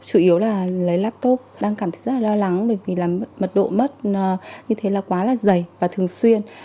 chủ yếu là lấy laptop đang cảm thấy rất là lo lắng bởi vì là mật độ mất như thế là quá là dày và thường xuyên